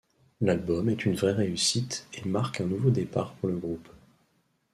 L'album est une vraie réussite et marque un nouveau départ pour le groupe.